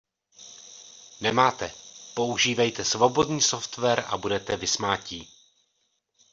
Nemáte, používejte svobodný software a budete vysmátí!